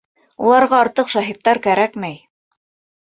Уларға артыҡ шаһиттар кәрәкмәй...